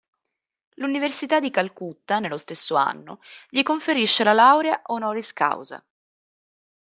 L'Università di Calcutta nello stesso anno gli conferisce la laurea honoris causa.